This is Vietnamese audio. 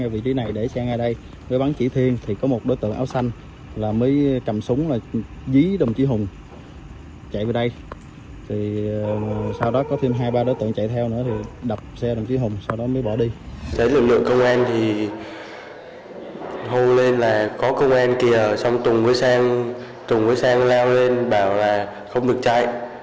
vũ đỉnh sang nói có công an kìa xong tùng với sang leo lên bảo là không được chạy